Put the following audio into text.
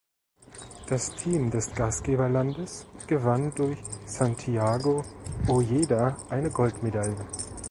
Das Team des Gastgeberlandes gewann durch Santiago Ojeda eine Goldmedaille.